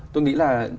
tôi nghĩ là